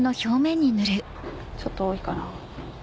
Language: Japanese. ちょっと多いかな？